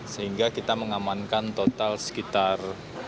sehingga kita mengamankan total sekitar